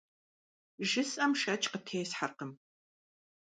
Жысӏэм шэч къытесхьэркъым.